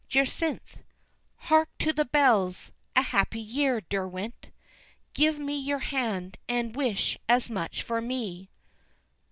Jacynth: "Hark to the bells! a happy year, Derwent; Give me your hand and wish as much for me."